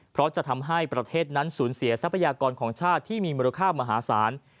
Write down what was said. เพราะจะทำให้ประเทศนั้นสูญเสียทรัพยากรของชาติที่มีมูลค่ามหาศาล